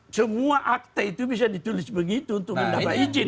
semua akte itu bisa ditulis begitu untuk mendapat izin